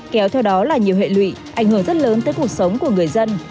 kéo theo đó là nhiều hệ lụy ảnh hưởng rất lớn tới cuộc sống của người dân